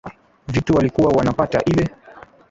vitu walikuwa wanapata ilee